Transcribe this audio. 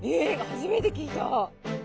初めて聞いた！